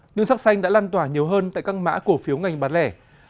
nhưng sắc xanh đã lan tỏa nhiều hơn tại các mã cổ phiếu ngành bán lẻ